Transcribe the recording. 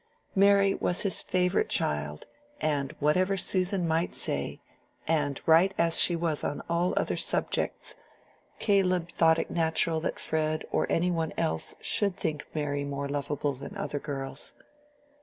Mary was his favorite child, and whatever Susan might say, and right as she was on all other subjects, Caleb thought it natural that Fred or any one else should think Mary more lovable than other girls.